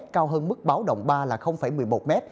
cao hơn mức báo đồng ba một mươi một m